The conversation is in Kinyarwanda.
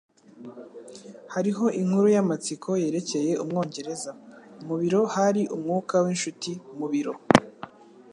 Hariho inkuru y'amatsiko yerekeye Umwongereza. Mu biro hari umwuka winshuti mubiro.